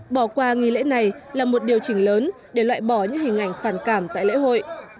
bỏ qua nghi lễ này là một điều chỉnh lớn để loại bỏ những hình ảnh phản cảm tại lễ hội